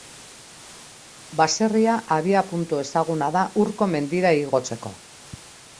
Baserria abiapuntu ezaguna da Urko mendira igotzeko.